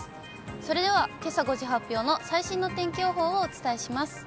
それではけさ５時発表の最新の天気予報をお伝えします。